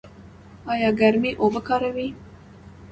ایا ګرمې اوبه کاروئ؟